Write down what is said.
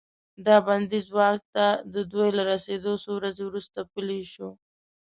دا بندیز واک ته د دوی له رسیدو څو ورځې وروسته پلی شو.